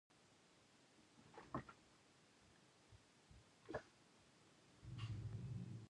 On the other hand, he may also feel some challenges and frustrations.